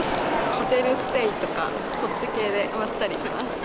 ホテルステイとか、そっち系でまったりします。